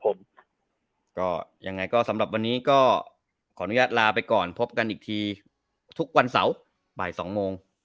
ผมก็ยังไงก็สำหรับวันนี้ก็ขออนุญาตลาไปก่อนพบกันอีกทีทุกวันเสาร์บ่าย๒โมง